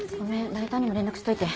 ライターにも連絡しといて。